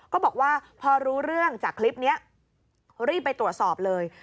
ก็บอกว่าพอรู้เรื่องจากคลิปนี้รีบไปตรวจสอบเลย